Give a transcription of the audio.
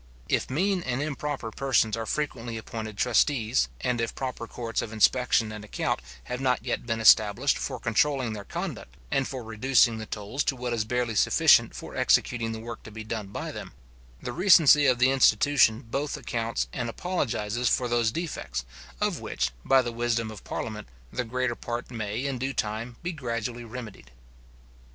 If mean and improper persons are frequently appointed trustees; and if proper courts of inspection and account have not yet been established for controlling their conduct, and for reducing the tolls to what is barely sufficient for executing the work to be done by them; the recency of the institution both accounts and apologizes for those defects, of which, by the wisdom of parliament, the greater part may, in due time, be gradually remedied.